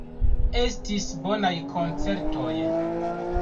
Estis bonaj koncertoj.